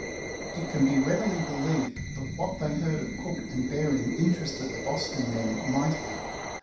It can be readily believed that what they heard of Cook and Bering interested the Boston men mightily.